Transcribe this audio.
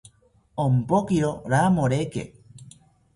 Ompokiro ramoreke